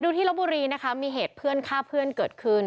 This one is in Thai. ที่ลบบุรีนะคะมีเหตุเพื่อนฆ่าเพื่อนเกิดขึ้น